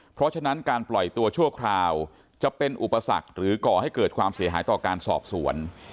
เพราะฉะนั้นการปล่อยตัวชั่วคราวจะเป็นอุปสรรคหรือก่อให้เกิดความเสียหายต่อการสอบสวน